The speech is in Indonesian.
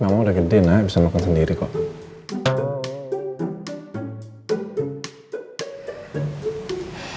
mama udah gede na bisa makan sendiri kok